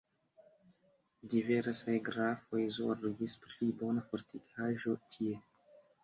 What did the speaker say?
Diversaj grafoj zorgis pri bona fortikaĵo tie.